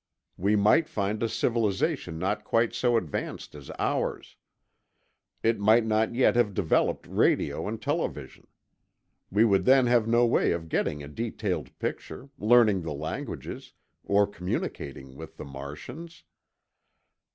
We might find a civilization not quite so advanced as ours. It might not yet have developed radio and television. We would then have no way of getting a detailed picture, learning the languages, or communicating with. the Martians.